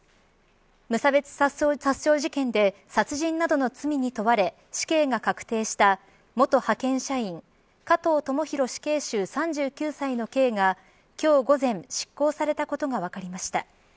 無差別殺傷事件で殺人などの罪に問われ死刑が確定した元派遣社員加藤智大死刑囚、３９歳の刑が今日午前執行されたことが分かりました。